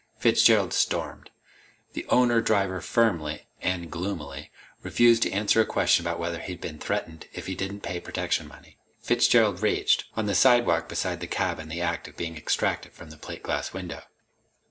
Fitzgerald stormed. The owner driver firmly and gloomily refused to answer a question about whether he'd been threatened if he didn't pay protection money. Fitzgerald raged, on the sidewalk beside the cab in the act of being extracted from the plate glass window.